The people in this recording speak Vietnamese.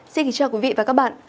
xin kính chào quý vị và các bạn